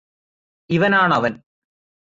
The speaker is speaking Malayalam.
ഇവനാണവന്